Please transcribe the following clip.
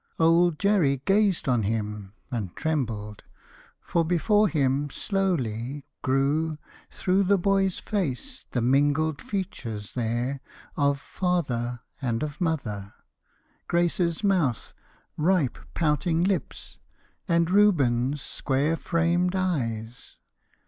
Old Jerry gazed on him, And trembled; for before him slowly grew Through the boy's face the mingled features there Of father and of mother Grace's mouth, Ripe, pouting lips, and Reuben's square framed eyes.